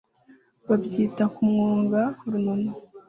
babyita kumwoga runono